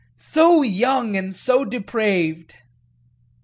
So young and so depraved!"